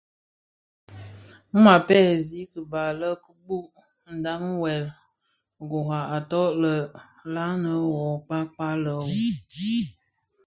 Mum a pèzi kiba le kibuň mdhami wuèl kurak atōg lè la nne wuo kpakpa lè u.